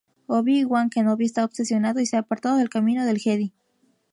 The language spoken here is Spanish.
Obi-Wan Kenobi está obsesionado y se ha apartado del camino del Jedi.